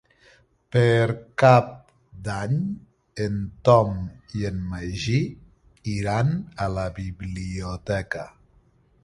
Per Cap d'Any en Tom i en Magí iran a la biblioteca.